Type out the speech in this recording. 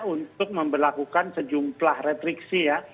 untuk memperlakukan sejumlah retriksi ya